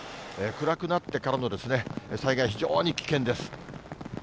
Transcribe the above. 暗くなってからの災害、非常に危険です。